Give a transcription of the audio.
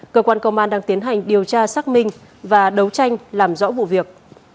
cơ quan công an đang tiến hành điều tra xác minh và đấu tranh làm rõ vụ việc